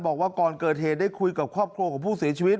บอกว่าก่อนเกิดเหตุได้คุยกับครอบครัวของผู้เสียชีวิต